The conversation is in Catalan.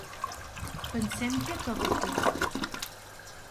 Pensem què toca fer ara.